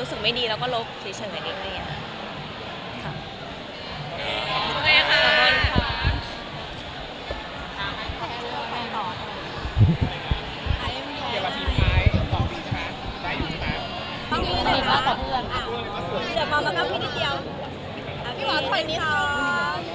แล้วอาทิตย์ขายต้องมีชาติได้อยู่นี่นะคะ